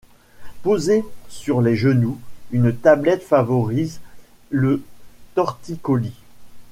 Posée sur les genoux, une tablette favorise le torticolis.